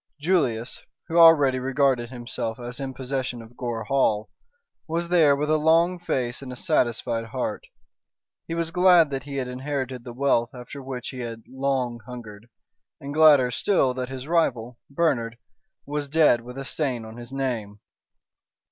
Julius, who already regarded himself as in possession of Gore Hall, was there with a long face and a satisfied heart. He was glad that he had inherited the wealth after which he had long hungered, and gladder still that his rival, Bernard, was dead with a stain on his name.